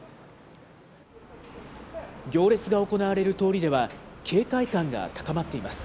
行列が行われる通りでは、警戒感が高まっています。